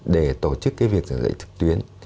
để tổ chức cái việc giảng dạy trực tuyến